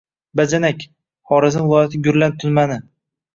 Bajanak – Xorazm viloyati Gurlan tumani.